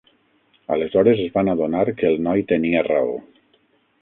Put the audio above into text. Aleshores es van adonar que el noi tenia raó.